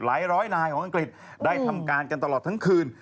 ร้อยนายของอังกฤษได้ทำการกันตลอดทั้งคืน